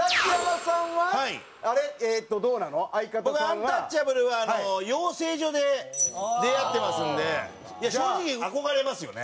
アンタッチャブルは養成所で出会ってますんで正直憧れますよね。